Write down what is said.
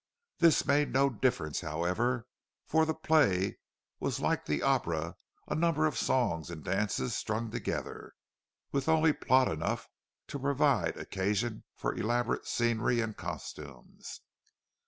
This made no difference, however, for the play was like the opera a number of songs and dances strung together, and with only plot enough to provide occasion for elaborate scenery and costumes.